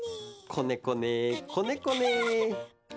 こねこねこねこね。